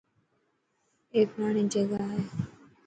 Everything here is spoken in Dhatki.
اي پراڻي جگاهي .